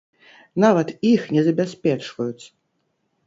Нават іх не забяспечваюць!!!